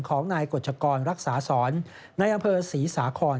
ของนายกดชกรรรักษาสอนในอำเภอศรีสาคอน